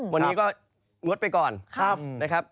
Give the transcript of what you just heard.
วันนี้ก็งดไปก่อนนะครับ